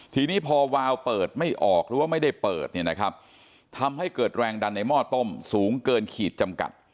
ทีนี้พอวาวเปิดไม่ออกหรือว่าไม่ได้เปิดเนี่ยนะครับทำให้เกิดแรงดันในหม้อต้มสูงเกินขีดจำกัด